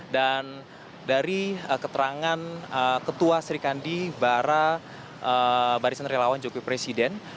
dan dari keterangan ketua serikandi barisan rialawan jokowi presiden